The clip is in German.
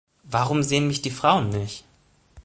Warum sehen mich die Frauen nicht?